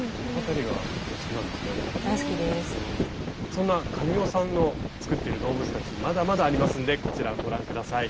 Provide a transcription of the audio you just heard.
そんな神尾さんの作っている動物たちまだまだありますんでこちらご覧下さい。